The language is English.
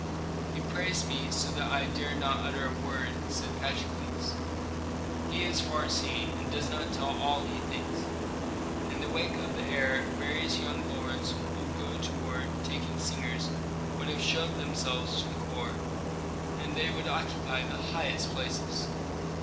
"He praised me so that I dared not utter a word," said Patrokles. "He is far seeing, and does not tell all he thinks. In the wake of the heir various young lords who go to war taking singers would have shoved themselves into the corps, and they would occupy the highest places.